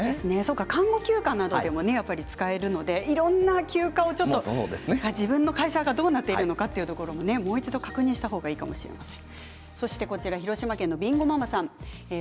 看護休暇なども使えるのでいろんな休暇を、ちょっと自分の会社がどうなっているのかというところももう一度確認した方がいいかもしれません。